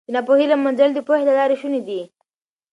د ناپوهۍ له منځه وړل د پوهې له لارې شوني دي.